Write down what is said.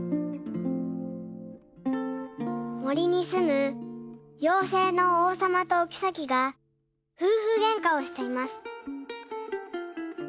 もりにすむようせいのおうさまとおきさきがふうふげんかをしています。